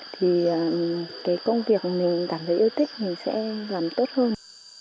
thì cái công việc mà mình cảm thấy yêu thích mình sẽ làm tốt hơn